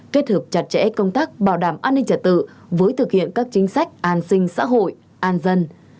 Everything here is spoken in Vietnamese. kết hợp chặt chẽ công tác bảo đảm an ninh trật tự với thực hiện các chính sách an sinh xã hội an dân